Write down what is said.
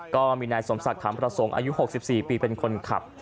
ก็มีนายสมศักดิ์คำประสงค์อายุ๖๔ปีเป็นคนขับ